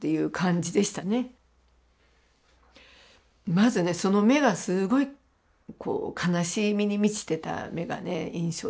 まずねその目がすごいこう悲しみに満ちてた目がね印象的でしたね。